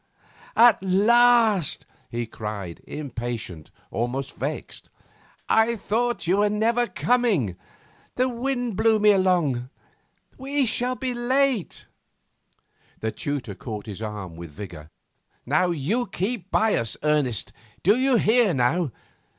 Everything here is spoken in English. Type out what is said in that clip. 'At last!' he cried, impatient, almost vexed. 'I thought you were never coming. The wind blew me along. We shall be late ' The tutor caught his arm with vigour. 'You keep by us, Ernest; d'you hear now?